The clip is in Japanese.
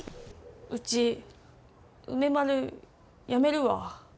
ウチ梅丸やめるわ。